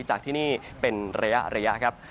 จากที่นี่เป็นระยะครับ